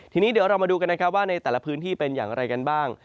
ทีนี้เดี๋ยวเรามาดูกันนะครับว่าในแต่ละพื้นที่เป็นอย่างไรกันบ้าง